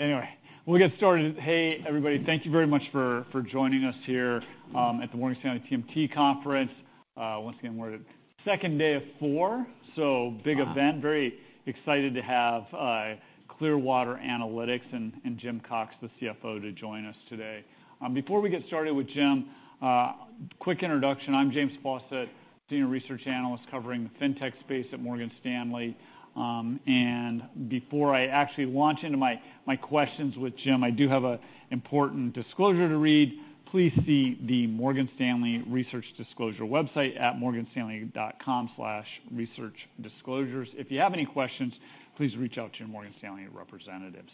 Anyway, we'll get started. Hey, everybody, thank you very much for joining us here at the Morgan Stanley TMT Conference. Once again, we're at second day of four, so big event. Very excited to have Clearwater Analytics and Jim Cox, the CFO, to join us today. Before we get started with Jim, quick introduction. I'm James Faucette, Senior Research Analyst covering the FinTech space at Morgan Stanley. Before I actually launch into my questions with Jim, I do have an important disclosure to read. Please see the Morgan Stanley Research Disclosure website at morganstanley.com/researchdisclosures. If you have any questions, please reach out to your Morgan Stanley representative.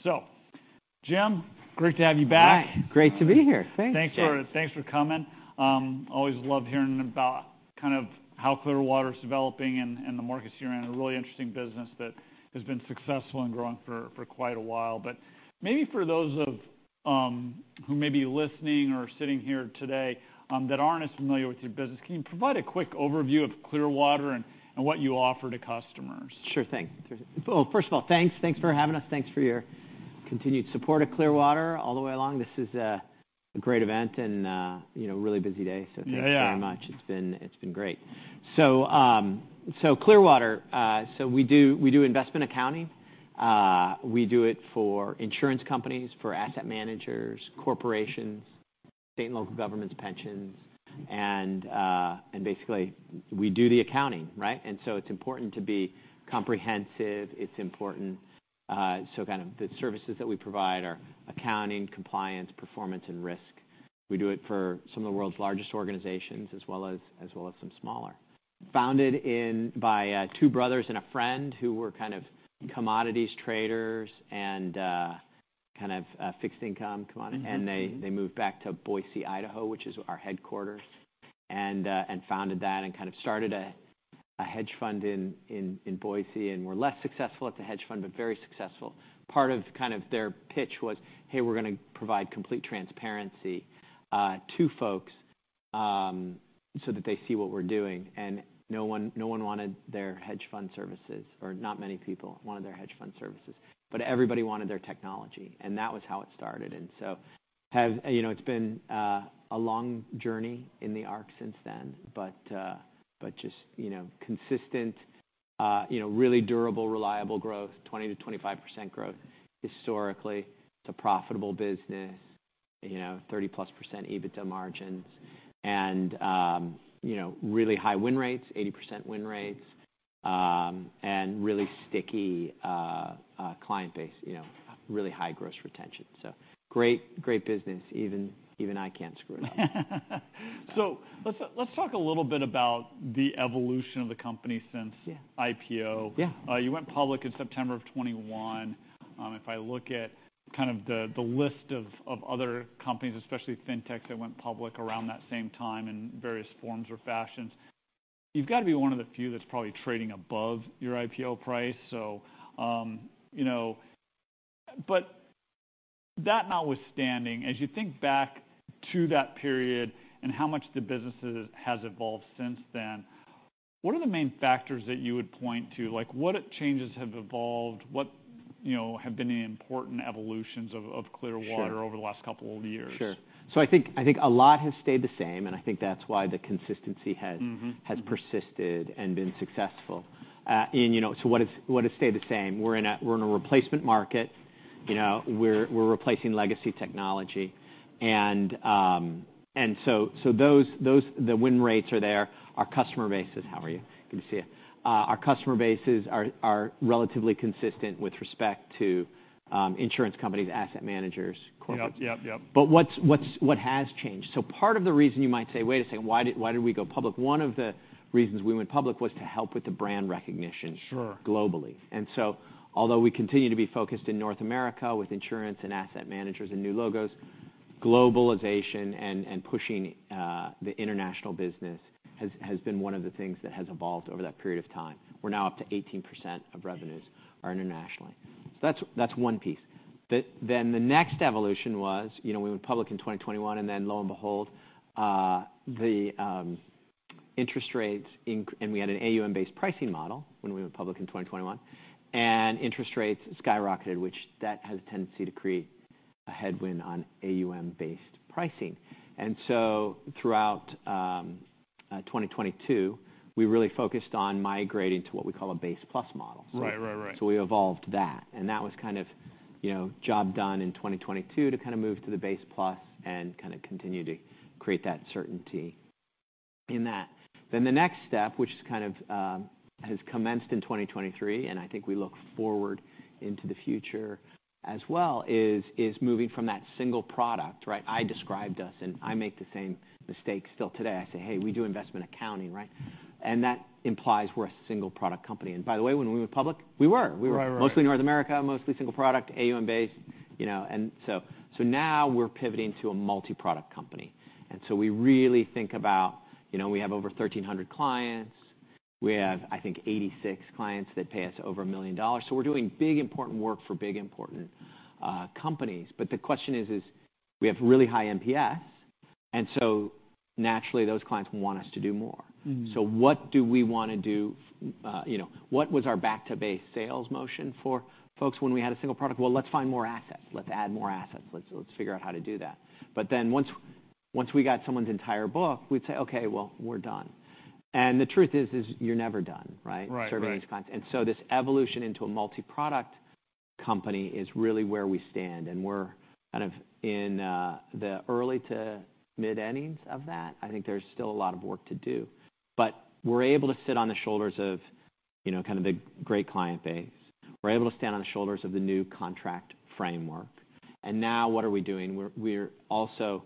Jim, great to have you back. Hi. Great to be here. Thanks. Thanks for coming. Always love hearing about kind of how Clearwater is developing and the markets you're in. A really interesting business that has been successful and growing for quite a while. But maybe for those of who may be listening or sitting here today that aren't as familiar with your business, can you provide a quick overview of Clearwater and what you offer to customers? Sure thing. Well, first of all, thanks. Thanks for having us. Thanks for your continued support of Clearwater all the way along. This is a great event and a really busy day. So thanks very much. It's been great. So Clearwater, we do investment accounting. We do it for insurance companies, for asset managers, corporations, state and local governments, pensions. And basically, we do the accounting, right? And so it's important to be comprehensive. It's important so kind of the services that we provide are accounting, compliance, performance, and risk. We do it for some of the world's largest organizations as well as some smaller. Founded by two brothers and a friend who were kind of commodities traders and kind of fixed income commodities. And they moved back to Boise, Idaho, which is our headquarters, and founded that and kind of started a hedge fund in Boise. We're less successful at the hedge fund but very successful. Part of kind of their pitch was, hey, we're going to provide complete transparency to folks so that they see what we're doing. No one wanted their hedge fund services or not many people wanted their hedge fund services. But everybody wanted their technology. That was how it started. So it's been a long journey in the arc since then. But just consistent, really durable, reliable growth, 20%-25% growth historically. It's a profitable business, 30+% EBITDA margins, and really high win rates, 80% win rates, and really sticky client base, really high gross retention. So great business. Even I can't screw it up. So let's talk a little bit about the evolution of the company since IPO. You went public in September of 2021. If I look at kind of the list of other companies, especially FinTechs that went public around that same time in various forms or fashions, you've got to be one of the few that's probably trading above your IPO price. But that notwithstanding, as you think back to that period and how much the business has evolved since then, what are the main factors that you would point to? What changes have evolved? What have been the important evolutions of Clearwater over the last couple of years? Sure. So I think a lot has stayed the same. And I think that's why the consistency has persisted and been successful. So what has stayed the same? We're in a replacement market. We're replacing legacy technology. And so the win rates are there. Our customer base is how are you? Good to see you. Our customer base are relatively consistent with respect to insurance companies, asset managers, corporates. But what has changed? So part of the reason you might say, wait a second, why did we go public? One of the reasons we went public was to help with the brand recognition globally. And so although we continue to be focused in North America with insurance and asset managers and new logos, globalization and pushing the international business has been one of the things that has evolved over that period of time. We're now up to 18% of revenues are internationally. So that's one piece. Then the next evolution was we went public in 2021. And then lo and behold, the interest rates and we had an AUM-based pricing model when we went public in 2021. And interest rates skyrocketed, which that has a tendency to create a headwind on AUM-based pricing. And so throughout 2022, we really focused on migrating to what we call a Base-Plus model. So we evolved that. And that was kind of job done in 2022 to kind of move to the Base-Plus and kind of continue to create that certainty in that. Then the next step, which kind of has commenced in 2023, and I think we look forward into the future as well, is moving from that single product, right? I described us. And I make the same mistake still today. I say, hey, we do investment accounting, right? And that implies we're a single product company. And by the way, when we went public, we were. We were mostly North America, mostly single product, AUM-based. And so now we're pivoting to a multi-product company. And so we really think about we have over 1,300 clients. We have, I think, 86 clients that pay us over $1 million. So we're doing big, important work for big, important companies. But the question is, we have really high NPS. And so naturally, those clients want us to do more. So what do we want to do? What was our back-to-base sales motion for folks when we had a single product? Well, let's find more assets. Let's add more assets. Let's figure out how to do that. But then once we got someone's entire book, we'd say, OK, well, we're done. And the truth is, you're never done, right, serving these clients. And so this evolution into a multi-product company is really where we stand. And we're kind of in the early to mid-innings of that. I think there's still a lot of work to do. But we're able to sit on the shoulders of kind of the great client base. We're able to stand on the shoulders of the new contract framework. And now what are we doing? We're also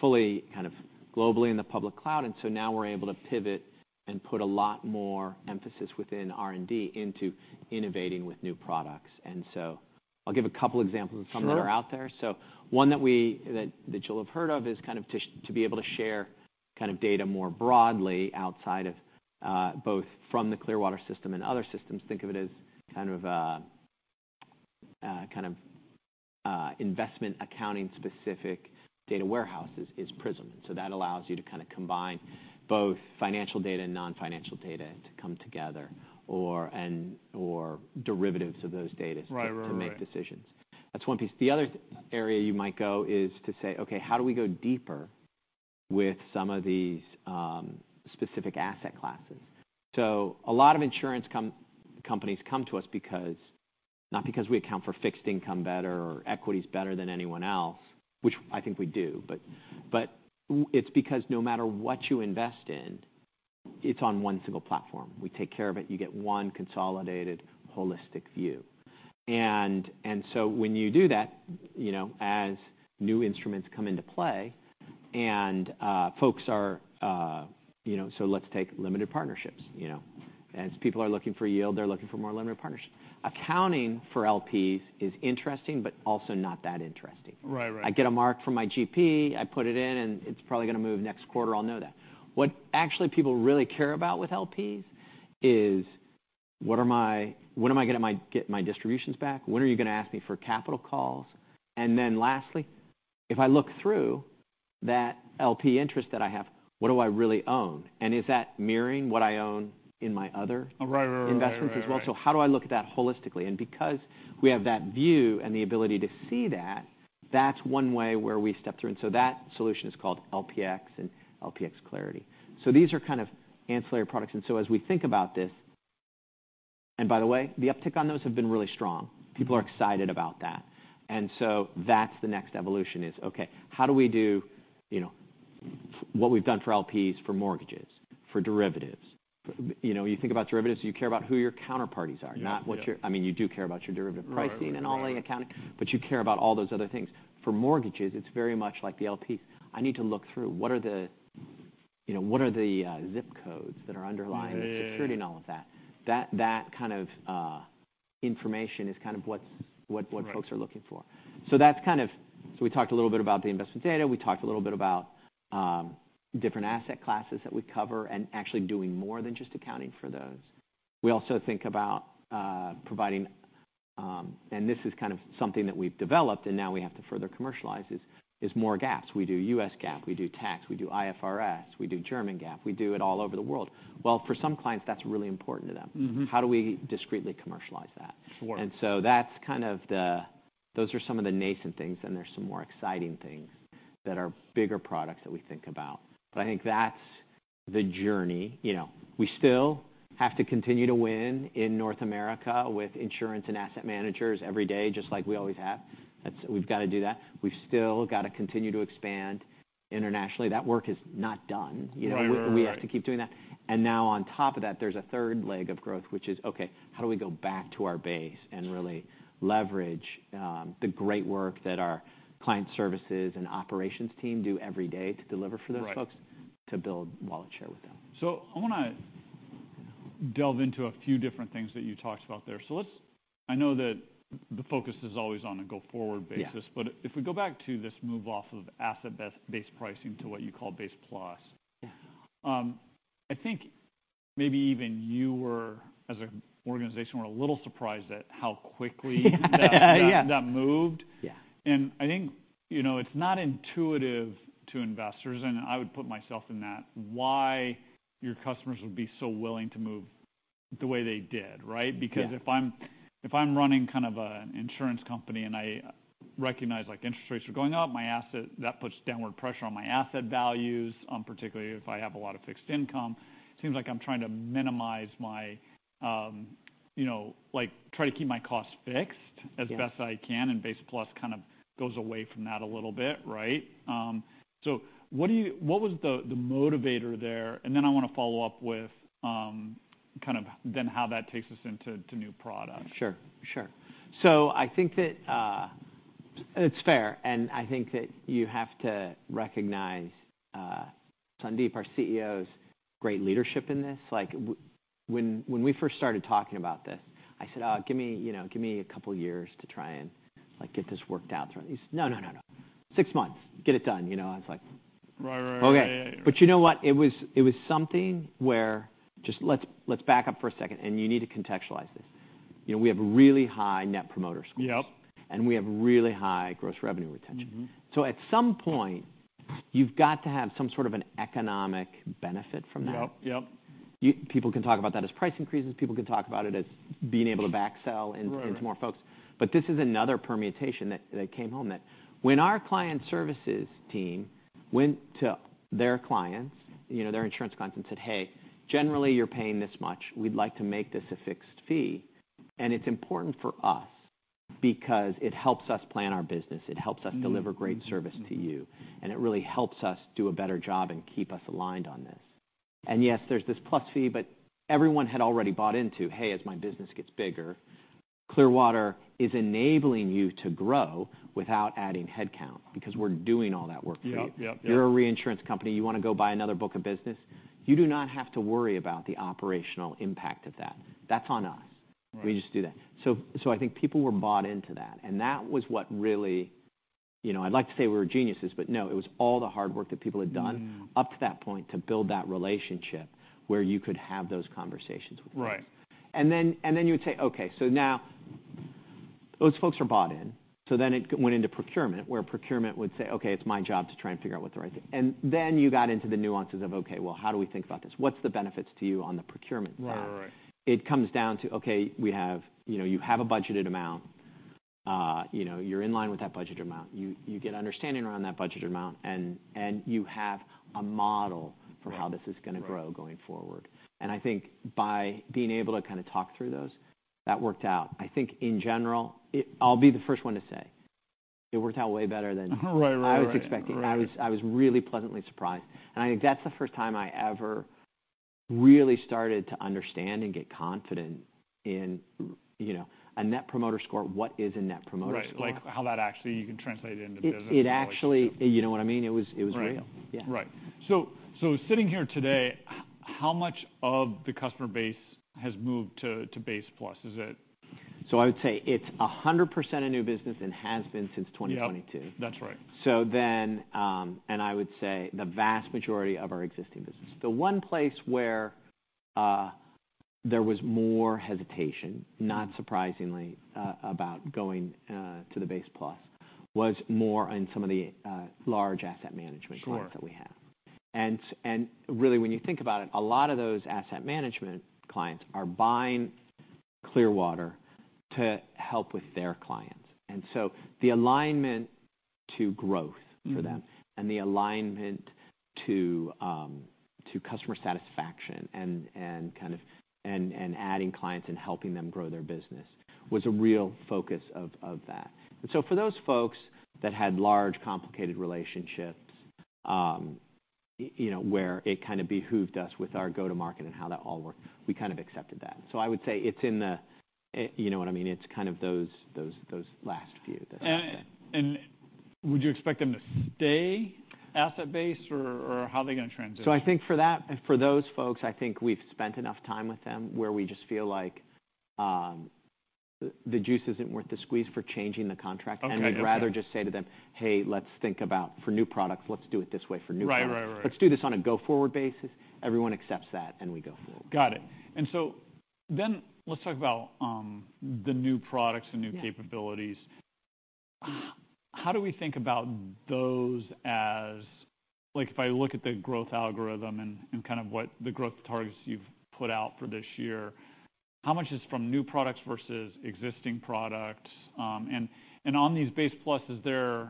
fully kind of globally in the public cloud. And so now we're able to pivot and put a lot more emphasis within R&D into innovating with new products. And so I'll give a couple of examples of some that are out there. So one that you'll have heard of is kind of to be able to share kind of data more broadly outside of both from the Clearwater system and other systems. Think of it as kind of investment accounting-specific data warehouses is Prism. And so that allows you to kind of combine both financial data and non-financial data to come together and derivatives of those data to make decisions. That's one piece. The other area you might go is to say, OK, how do we go deeper with some of these specific asset classes? So a lot of insurance companies come to us not because we account for fixed income better or equities better than anyone else, which I think we do. But it's because no matter what you invest in, it's on one single platform. We take care of it. You get one consolidated, holistic view. And so when you do that, as new instruments come into play and folks are so let's take limited partnerships. As people are looking for yield, they're looking for more limited partnerships. Accounting for LPs is interesting but also not that interesting. I get a mark from my GP. I put it in. And it's probably going to move next quarter. I'll know that. What actually people really care about with LPs is, when am I going to get my distributions back? When are you going to ask me for capital calls? And then lastly, if I look through that LP interest that I have, what do I really own? And is that mirroring what I own in my other investments as well? So how do I look at that holistically? And because we have that view and the ability to see that, that's one way where we step through. And so that solution is called LPx and LPx Clarity. So these are kind of ancillary products. And so as we think about this and by the way, the uptick on those have been really strong. People are excited about that. And so that's the next evolution is, OK, how do we do what we've done for LPx, for mortgages, for derivatives? You think about derivatives. You care about who your counterparties are, not what you're, I mean, you do care about your derivative pricing and all the accounting. But you care about all those other things. For mortgages, it's very much like the LPx. I need to look through. What are the zip codes that are underlying the security and all of that? That kind of information is kind of what folks are looking for. So we talked a little bit about the investment data. We talked a little bit about different asset classes that we cover and actually doing more than just accounting for those. We also think about providing and this is kind of something that we've developed. And now we have to further commercialize is more GAAPs. We do U.S. GAAP. We do tax. We do IFRS. We do German GAAP. We do it all over the world. Well, for some clients, that's really important to them. How do we discreetly commercialize that? And so those are some of the nascent things. And there's some more exciting things that are bigger products that we think about. But I think that's the journey. We still have to continue to win in North America with insurance and asset managers every day, just like we always have. We've got to do that. We've still got to continue to expand internationally. That work is not done. We have to keep doing that. And now on top of that, there's a third leg of growth, which is, OK, how do we go back to our base and really leverage the great work that our client services and operations team do every day to deliver for those folks to build wallet share with them? So I want to delve into a few different things that you talked about there. So I know that the focus is always on a go-forward basis. But if we go back to this move off of asset-based pricing to what you call Base-Plus, I think maybe even you, as an organization, were a little surprised at how quickly that moved. And I think it's not intuitive to investors. And I would put myself in that. Why your customers would be so willing to move the way they did, right? Because if I'm running kind of an insurance company and I recognize interest rates are going up, that puts downward pressure on my asset values, particularly if I have a lot of fixed income. It seems like I'm trying to minimize my try to keep my costs fixed as best I can. Base-Plus kind of goes away from that a little bit, right? What was the motivator there? Then I want to follow up with kind of then how that takes us into new products. Sure. Sure. So I think that it's fair. I think that you have to recognize Sandeep, our CEO's great leadership in this. When we first started talking about this, I said, oh, give me a couple of years to try and get this worked out. He said, no, no, no, no. Six months. Get it done. I was like, OK. But you know what? It was something where just let's back up for a second. You need to contextualize this. We have really high Net Promoter scores. We have really high gross revenue retention. So at some point, you've got to have some sort of an economic benefit from that. People can talk about that as price increases. People can talk about it as being able to back-sell into more folks. But this is another permutation that came home that when our client services team went to their clients, their insurance clients, and said, hey, generally, you're paying this much. We'd like to make this a fixed fee. And it's important for us because it helps us plan our business. It helps us deliver great service to you. And it really helps us do a better job and keep us aligned on this. And yes, there's this plus fee. But everyone had already bought into, hey, as my business gets bigger, Clearwater is enabling you to grow without adding headcount because we're doing all that work for you. You're a reinsurance company. You want to go buy another book of business? You do not have to worry about the operational impact of that. That's on us. We just do that. So I think people were bought into that. And that was what really I'd like to say we were geniuses. But no, it was all the hard work that people had done up to that point to build that relationship where you could have those conversations with them. And then you would say, OK, so now those folks are bought in. So then it went into procurement, where procurement would say, OK, it's my job to try and figure out what the right thing and then you got into the nuances of, OK, well, how do we think about this? What's the benefits to you on the procurement side? It comes down to, OK, you have a budgeted amount. You're in line with that budgeted amount. You get understanding around that budgeted amount. And you have a model for how this is going to grow going forward. And I think by being able to kind of talk through those, that worked out. I think in general, I'll be the first one to say it worked out way better than I was expecting. I was really pleasantly surprised. And I think that's the first time I ever really started to understand and get confident in a Net Promoter Score. What is a Net Promoter Score? Right. Like how that actually you can translate it into business. You know what I mean? It was real. Right. So sitting here today, how much of the customer base has moved to Base-Plus? Is it. I would say it's 100% a new business and has been since 2022. Yeah. That's right. I would say the vast majority of our existing business. The one place where there was more hesitation, not surprisingly, about going to the Base-Plus was more in some of the large asset management clients that we have. And really, when you think about it, a lot of those asset management clients are buying Clearwater to help with their clients. And so the alignment to growth for them and the alignment to customer satisfaction and adding clients and helping them grow their business was a real focus of that. And so for those folks that had large, complicated relationships where it kind of behooved us with our go-to-market and how that all worked, we kind of accepted that. So I would say it's in the you know what I mean? It's kind of those last few that. Would you expect them to stay asset-based? Or how are they going to transition? So I think for those folks, I think we've spent enough time with them where we just feel like the juice isn't worth the squeeze for changing the contract. And we'd rather just say to them, hey, let's think about for new products, let's do it this way for new products. Let's do this on a go-forward basis. Everyone accepts that. And we go forward. Got it. And so then let's talk about the new products and new capabilities. How do we think about those as if I look at the growth algorithm and kind of what the growth targets you've put out for this year, how much is from new products versus existing products? And on these Base-Plus, is there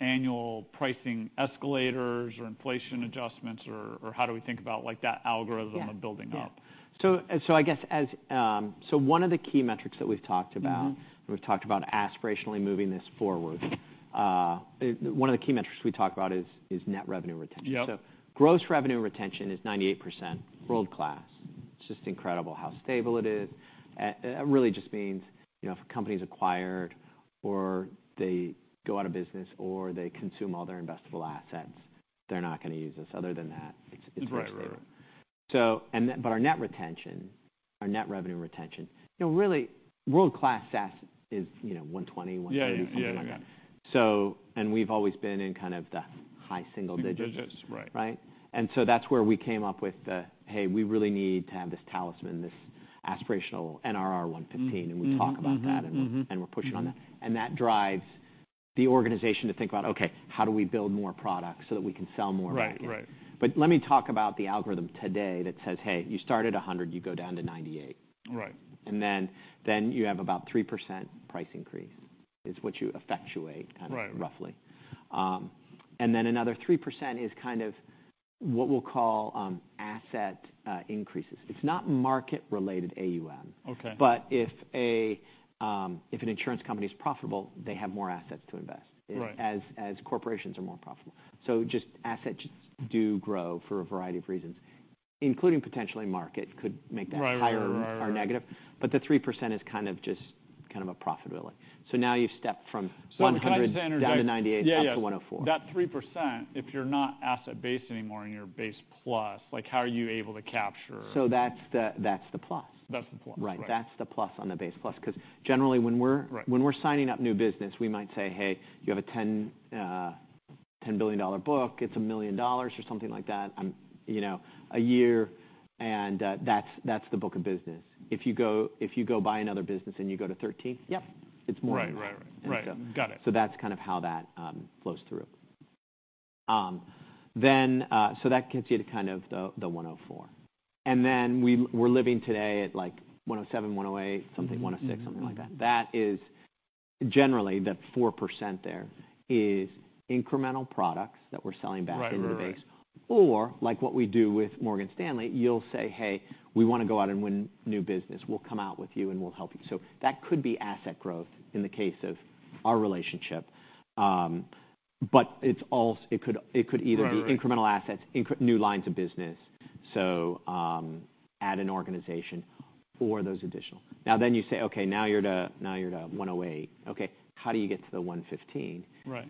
annual pricing escalators or inflation adjustments? Or how do we think about that algorithm of building up? So I guess one of the key metrics that we've talked about and we've talked about aspirationally moving this forward, one of the key metrics we talk about is net revenue retention. So gross revenue retention is 98% world-class. It's just incredible how stable it is. It really just means if a company is acquired or they go out of business or they consume all their investable assets, they're not going to use us. Other than that, it's very stable. But our net retention, our net revenue retention, really, world-class SaaS is 120, 130, something like that. And we've always been in kind of the high single digits, right? And so that's where we came up with the, hey, we really need to have this talisman, this aspirational NRR 115. And we talk about that. And we're pushing on that. That drives the organization to think about, OK, how do we build more products so that we can sell more markets? But let me talk about the algorithm today that says, hey, you start at 100. You go down to 98. And then you have about 3% price increase. It's what you effectuate kind of roughly. And then another 3% is kind of what we'll call asset increases. It's not market-related AUM. But if an insurance company is profitable, they have more assets to invest as corporations are more profitable. So assets do grow for a variety of reasons, including potentially market could make that higher or negative. But the 3% is kind of just kind of a profitability. So now you've stepped from 100 down to 98 up to 104. That 3%, if you're not asset-based anymore and you're Base-Plus, how are you able to capture? That's the plus. That's the plus. Right. That's the plus on the base-plus. Because generally, when we're signing up new business, we might say, hey, you have a $10 billion book. It's $1 million or something like that a year. And that's the book of business. If you go buy another business and you go to 13, yep, it's more than that. So that's kind of how that flows through. So that gets you to kind of the 104. And then we're living today at like 107, 108, something, 106, something like that. Generally, that 4% there is incremental products that we're selling back into the base. Or like what we do with Morgan Stanley, you'll say, hey, we want to go out and win new business. We'll come out with you. And we'll help you. So that could be asset growth in the case of our relationship. But it could either be incremental assets, new lines of business, so add an organization, or those additional. Now then you say, OK, now you're to 108. OK, how do you get to the 115?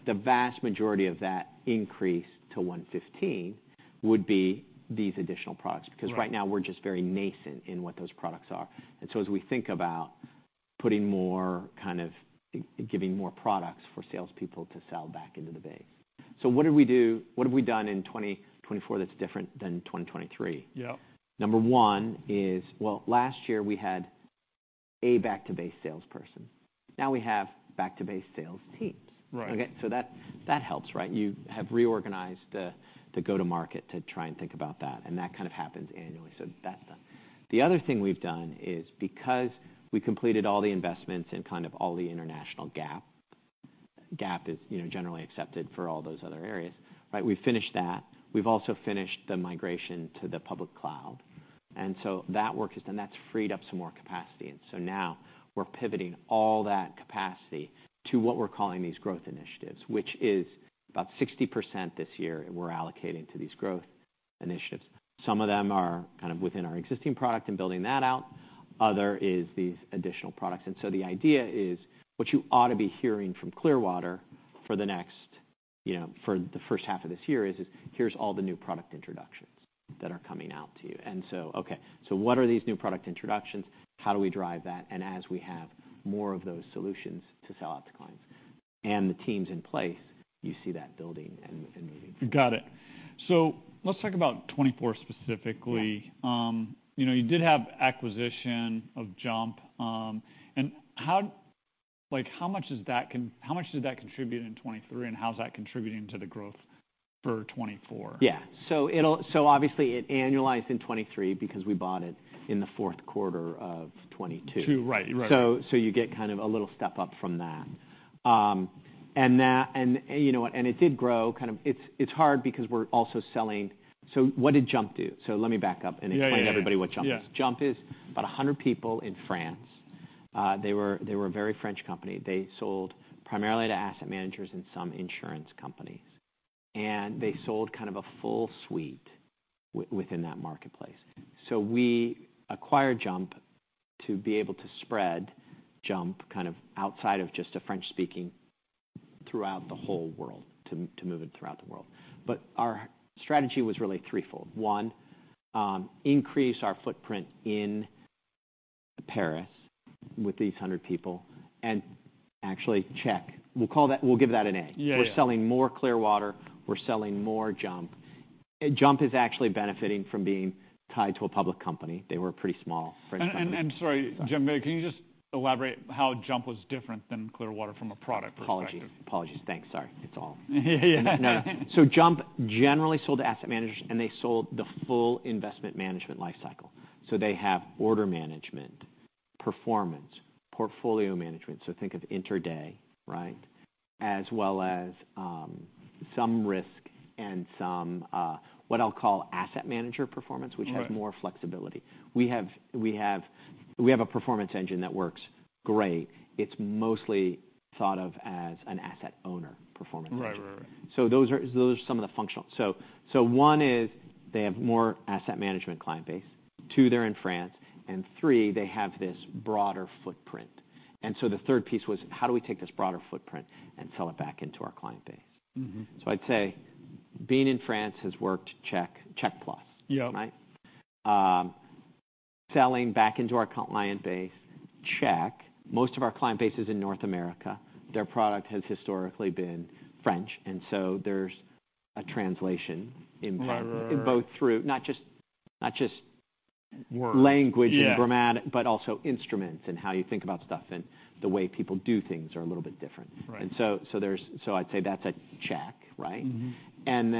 The vast majority of that increase to 115 would be these additional products because right now, we're just very nascent in what those products are. And so as we think about putting more kind of giving more products for salespeople to sell back into the base, so what have we done in 2024 that's different than 2023? Number one is, well, last year, we had a back-to-base salesperson. Now we have back-to-base sales teams. So that helps, right? You have reorganized the go-to-market to try and think about that. And that kind of happens annually. So the other thing we've done is because we completed all the investments in kind of all the international GAAP. GAAP is generally accepted for all those other areas, we've finished that. We've also finished the migration to the public cloud. And so that work is done. That's freed up some more capacity. And so now we're pivoting all that capacity to what we're calling these growth initiatives, which is about 60% this year, we're allocating to these growth initiatives. Some of them are kind of within our existing product and building that out. Other is these additional products. And so the idea is what you ought to be hearing from Clearwater for the first half of this year is, here's all the new product introductions that are coming out to you. And so, OK, so what are these new product introductions? How do we drive that? As we have more of those solutions to sell out to clients and the teams in place, you see that building and moving. Got it. So let's talk about 2024 specifically. You did have acquisition of JUMP. And how much did that contribute in 2023? And how's that contributing to the growth for 2024? Yeah. So obviously, it annualized in 2023 because we bought it in the fourth quarter of 2022. So you get kind of a little step up from that. And you know what? And it did grow kind of it's hard because we're also selling so what did JUMP do? So let me back up. And explain to everybody what JUMP is. JUMP is about 100 people in France. They were a very French company. They sold primarily to asset managers and some insurance companies. And they sold kind of a full suite within that marketplace. So we acquired JUMP to be able to spread JUMP kind of outside of just a French-speaking throughout the whole world to move it throughout the world. But our strategy was really threefold. 1, increase our footprint in Paris with these 100 people and actually check. We'll give that an A. We're selling more Clearwater. We're selling more JUMP. JUMP is actually benefiting from being tied to a public company. They were a pretty small French company. I'm sorry, Jim. Can you just elaborate how JUMP was different than Clearwater from a product perspective? Apologies. Thanks. Sorry. It's all. Yeah, yeah, yeah. So JUMP generally sold to asset managers. And they sold the full investment management lifecycle. So they have order management, performance, portfolio management. So think of intra-day, right, as well as some risk and some what I'll call asset manager performance, which has more flexibility. We have a performance engine that works great. It's mostly thought of as an asset owner performance engine. So those are some of the functional so one is they have more asset management client base. Two, they're in France. And three, they have this broader footprint. And so the third piece was, how do we take this broader footprint and sell it back into our client base? So I'd say being in France has worked check, check plus, right? Selling back into our client base, check. Most of our client base is in North America. Their product has historically been French. And so there's a translation impact both through not just language and grammar, but also instruments and how you think about stuff and the way people do things are a little bit different. And so I'd say that's a check, right? And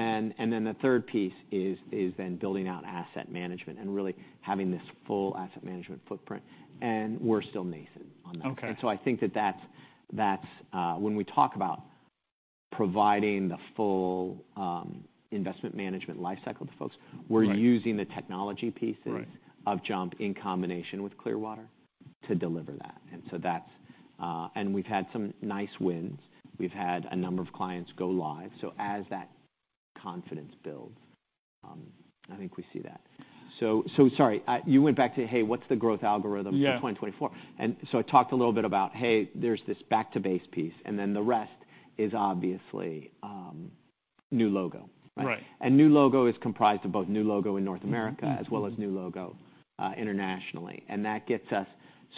then the third piece is then building out asset management and really having this full asset management footprint. And we're still nascent on that. And so I think that that's when we talk about providing the full investment management lifecycle to folks, we're using the technology pieces of JUMP in combination with Clearwater to deliver that. And we've had some nice wins. We've had a number of clients go live. So as that confidence builds, I think we see that. So sorry. You went back to, hey, what's the growth algorithm for 2024? And so I talked a little bit about, hey, there's this back-to-base piece. And then the rest is obviously new logo, right? And new logo is comprised of both new logo in North America as well as new logo internationally. And that gets us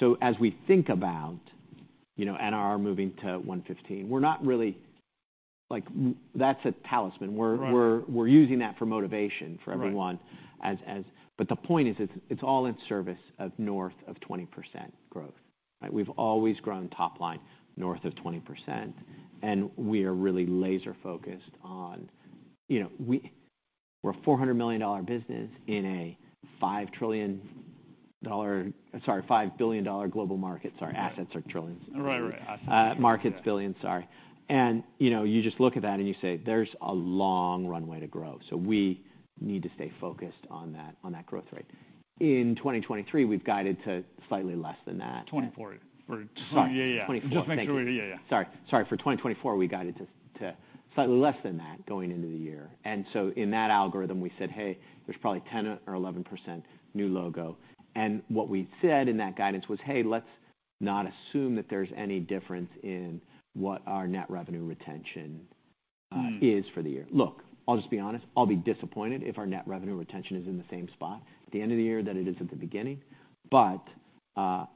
so as we think about NRR moving to 115, we're not really that's a talisman. We're using that for motivation for everyone. But the point is, it's all in service of north of 20% growth, right? We've always grown top line north of 20%. And we are really laser-focused on we're a $400 million business in a $5 billion global market. Sorry, assets are trillions. Market's billions, sorry. And you just look at that. And you say, there's a long runway to grow. So we need to stay focused on that growth rate. In 2023, we've guided to slightly less than that. 2024. Yeah, yeah. Just make sure we yeah, yeah. Sorry. Sorry. For 2024, we guided to slightly less than that going into the year. And so in that algorithm, we said, hey, there's probably 10% or 11% new logo. And what we said in that guidance was, hey, let's not assume that there's any difference in what our net revenue retention is for the year. Look, I'll just be honest. I'll be disappointed if our net revenue retention is in the same spot at the end of the year that it is at the beginning. But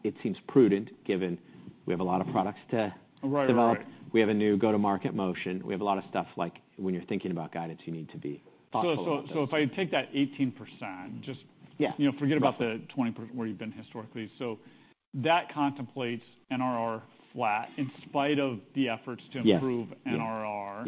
it seems prudent given we have a lot of products to develop. We have a new go-to-market motion. We have a lot of stuff like when you're thinking about guidance, you need to be thoughtful about that. If I take that 18%, just forget about the 20% where you've been historically. That contemplates NRR flat in spite of the efforts to improve NRR.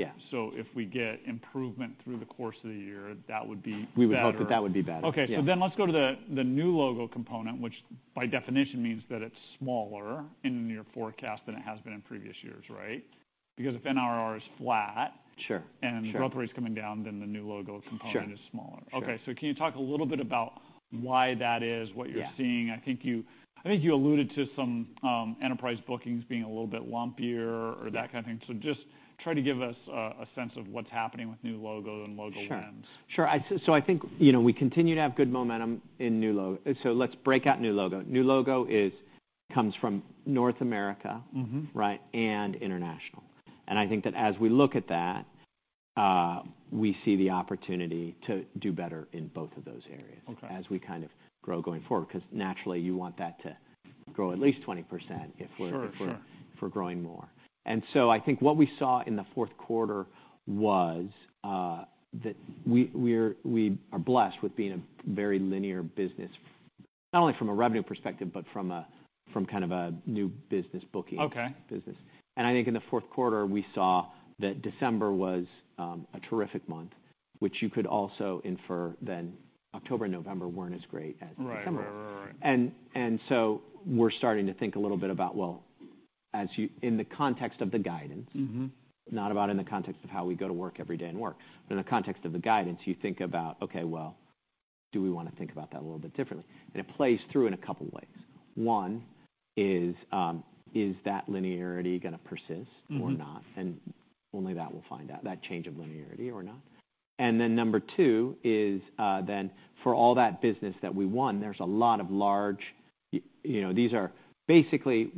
If we get improvement through the course of the year, that would be better. We would hope that that would be better. OK. So then let's go to the new logo component, which by definition means that it's smaller in your forecast than it has been in previous years, right? Because if NRR is flat and growth rate is coming down, then the new logo component is smaller. OK. So can you talk a little bit about why that is, what you're seeing? I think you alluded to some enterprise bookings being a little bit lumpier or that kind of thing. So just try to give us a sense of what's happening with new logo and logo wins. Sure. So I think we continue to have good momentum in new logo. So let's break out new logo. New logo comes from North America, right, and international. And I think that as we look at that, we see the opportunity to do better in both of those areas as we kind of grow going forward because naturally, you want that to grow at least 20% if we're growing more. And so I think what we saw in the fourth quarter was that we are blessed with being a very linear business not only from a revenue perspective, but from kind of a new business booking business. And I think in the fourth quarter, we saw that December was a terrific month, which you could also infer then October and November weren't as great as December. And so we're starting to think a little bit about, well, in the context of the guidance, not about in the context of how we go to work every day and work, but in the context of the guidance, you think about, OK, well, do we want to think about that a little bit differently? And it plays through in a couple of ways. One is, is that linearity going to persist or not? And only that will find out, that change of linearity or not. And then number two is then for all that business that we won, there's a lot of large these are basically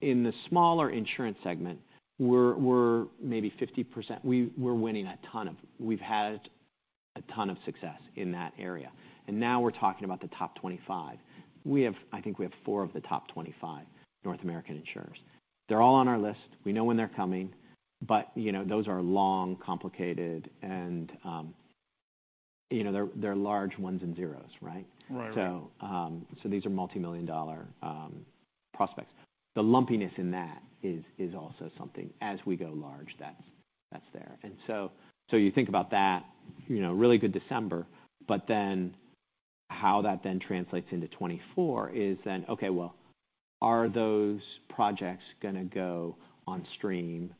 in the smaller insurance segment, we're maybe 50% we're winning a ton of we've had a ton of success in that area. And now we're talking about the top 25. I think we have four of the top 25 North American insurers. They're all on our list. We know when they're coming. But those are long, complicated. And they're large ones and zeros, right? So these are multi-million dollar prospects. The lumpiness in that is also something as we go large, that's there. And so you think about that, really good December. But then how that then translates into 2024 is then, OK, well, are those projects going to go on stream?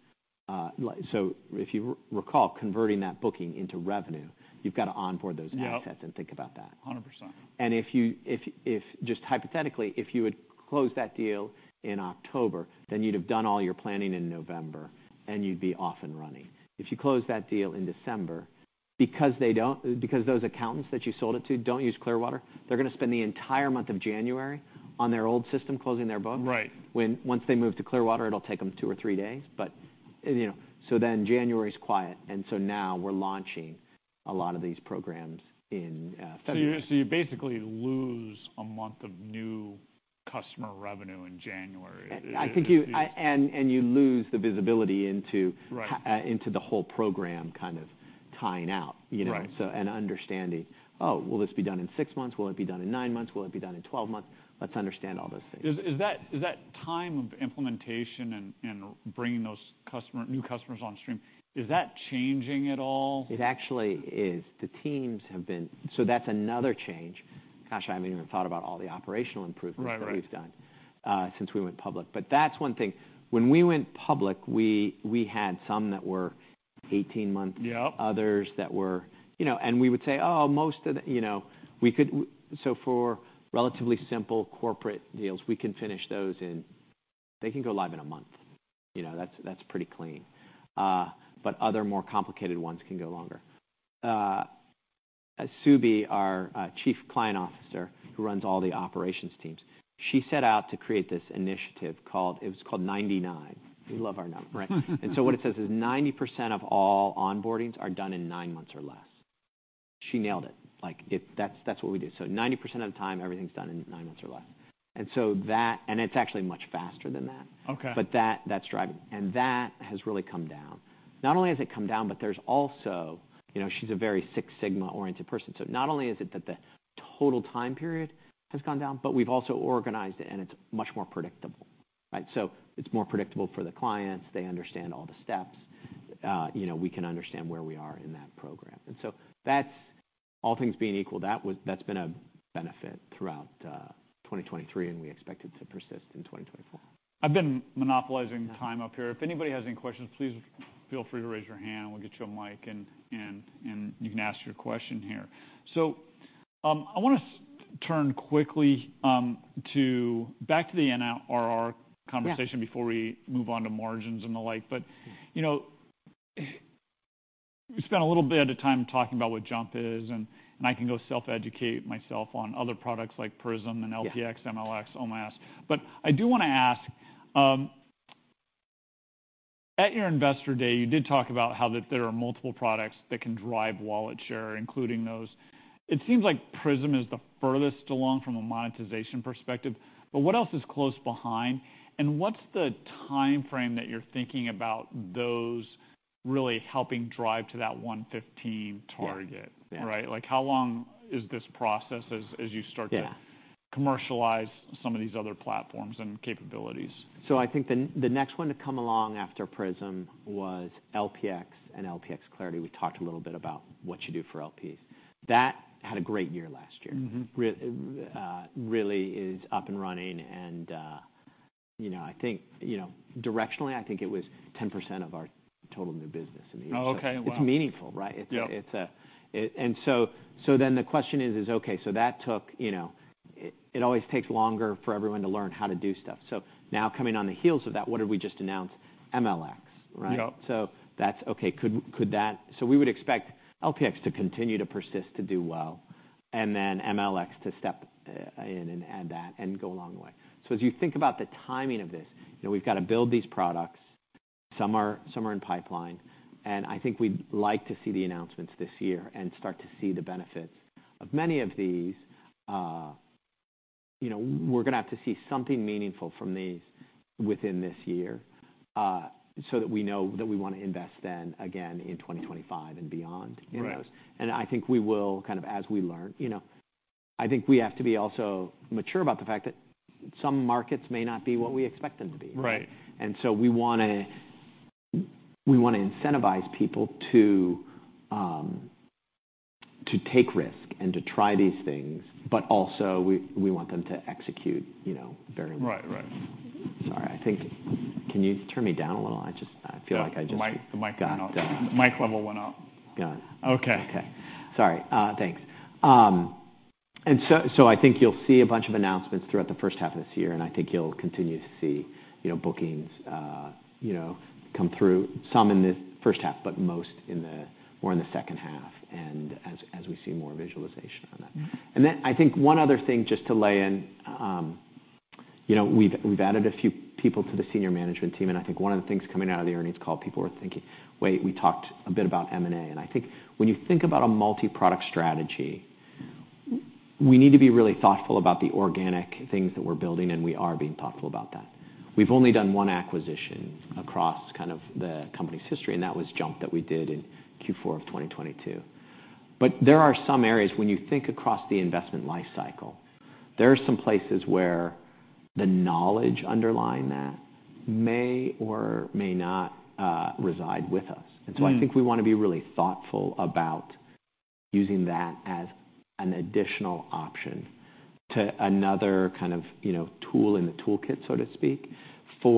So if you recall, converting that booking into revenue, you've got to onboard those assets and think about that. 100%. Just hypothetically, if you had closed that deal in October, then you'd have done all your planning in November. You'd be off and running. If you close that deal in December because those accountants that you sold it to don't use Clearwater, they're going to spend the entire month of January on their old system closing their books. Once they move to Clearwater, it'll take them two or three days. Then January's quiet. Now we're launching a lot of these programs in February. You basically lose a month of new customer revenue in January. You lose the visibility into the whole program kind of tying out and understanding, oh, will this be done in 6 months? Will it be done in 9 months? Will it be done in 12 months? Let's understand all those things. Is that time of implementation and bringing those new customers on stream, is that changing at all? It actually is. The teams have been so that's another change. Gosh, I haven't even thought about all the operational improvements that we've done since we went public. But that's one thing. When we went public, we had some that were 18-month, others that were and we would say, oh, most of the so for relatively simple corporate deals, we can finish those in they can go live in a month. That's pretty clean. But other more complicated ones can go longer. Subi, our Chief Client Officer who runs all the operations teams, she set out to create this initiative called it was called 99. We love our number, right? And so what it says is 90% of all onboardings are done in 9 months or less. She nailed it. That's what we do. So 90% of the time, everything's done in 9 months or less. And it's actually much faster than that. But that's driving. And that has really come down. Not only has it come down, but there's also, she's a very Six Sigma-oriented person. So not only is it that the total time period has gone down, but we've also organized it. And it's much more predictable, right? So it's more predictable for the clients. They understand all the steps. We can understand where we are in that program. And so all things being equal, that's been a benefit throughout 2023. And we expect it to persist in 2024. I've been monopolizing time up here. If anybody has any questions, please feel free to raise your hand. We'll get you a mic. You can ask your question here. I want to turn quickly back to the NRR conversation before we move on to margins and the like. We spent a little bit of time talking about what JUMP is. I can go self-educate myself on other products like Prism and LPx, MLx, OMS. I do want to ask, at your investor day, you did talk about how there are multiple products that can drive wallet share, including those. It seems like Prism is the furthest along from a monetization perspective. What else is close behind? What's the time frame that you're thinking about those really helping drive to that 115 target, right? How long is this process as you start to commercialize some of these other platforms and capabilities? So I think the next one to come along after Prism was LPx and LPx Clarity. We talked a little bit about what you do for LPs. That had a great year last year. Really is up and running. And I think directionally, I think it was 10% of our total new business in the year. So it's meaningful, right? And so then the question is, OK, so that took it always takes longer for everyone to learn how to do stuff. So now coming on the heels of that, what did we just announce? MLx, right? So that's, OK, could that so we would expect LPx to continue to persist, to do well, and then MLx to step in and add that and go a long way. So as you think about the timing of this, we've got to build these products. Some are in pipeline. I think we'd like to see the announcements this year and start to see the benefits of many of these. We're going to have to see something meaningful from these within this year so that we know that we want to invest then again in 2025 and beyond in those. I think we will kind of as we learn. I think we have to be also mature about the fact that some markets may not be what we expect them to be. So we want to incentivize people to take risk and to try these things. But also, we want them to execute very well. Sorry. Can you turn me down a little? I feel like I just. Yeah. The mic level went up. Got it. OK. OK. Sorry. Thanks. And so I think you'll see a bunch of announcements throughout the first half of this year. And I think you'll continue to see bookings come through, some in the first half, but most more in the second half as we see more visualization on that. And then I think one other thing just to lay in, we've added a few people to the senior management team. And I think one of the things coming out of the earnings call, people were thinking, wait, we talked a bit about M&A. And I think when you think about a multi-product strategy, we need to be really thoughtful about the organic things that we're building. And we are being thoughtful about that. We've only done one acquisition across kind of the company's history. And that was JUMP that we did in Q4 of 2022. But there are some areas when you think across the investment lifecycle, there are some places where the knowledge underlying that may or may not reside with us. And so I think we want to be really thoughtful about using that as an additional option to another kind of tool in the toolkit, so to speak, for.